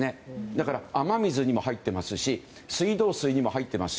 だから、雨水にも入っていますし水道水にも入っています